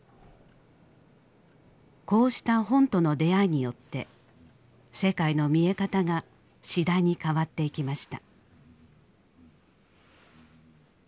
こうした本との出会いによって世界の見え方が次第に変わっていきました。